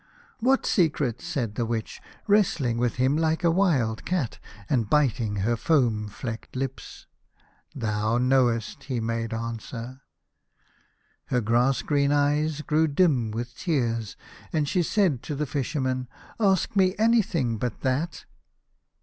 "What secret ?" said the Witch, wrestling with him like a wild cat, and biting her foam flecked lips. " Thou knowest," he made answer. m 81 A House of Pomegranates. Her grass green eyes grew dim with tears, and she said to the Fisherman, " Ask me any thing but that